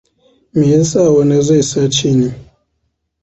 Me yasa wani zai sace ni?